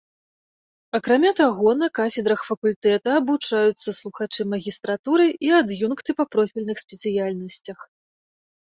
Акрамя таго, на кафедрах факультэта абучаюцца слухачы магістратуры і ад'юнкты па профільных спецыяльнасцях.